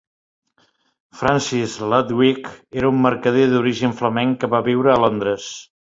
Francis Lodwick era un mercader d'origen flamenc que va viure a Londres.